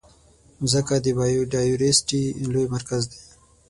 مځکه د بایوډایورسټي لوی مرکز دی.